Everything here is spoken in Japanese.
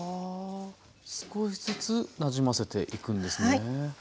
少しずつなじませていくんですね。